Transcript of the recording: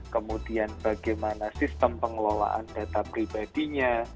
kemudian bagaimana sistem pengelolaan data pribadinya